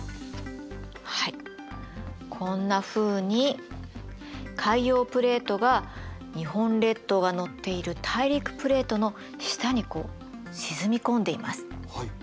はいこんなふうに海洋プレートが日本列島がのっている大陸プレートの下にこう沈み込んでいます。